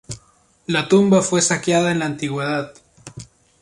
La tumba fue saqueada en la antigüedad.